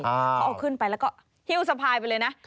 เขาเอาขึ้นไปแล้วก็หิ้วสะพายไปเลยนะ